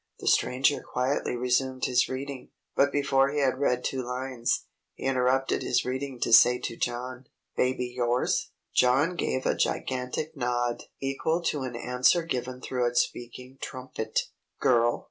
The Stranger quietly resumed his reading; but before he had read two lines, he interrupted his reading to say to John: "Baby yours?" John gave a gigantic nod, equal to an answer given through a speaking trumpet. "Girl?"